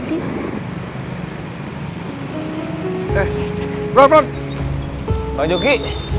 hai hai hai broke bang jogi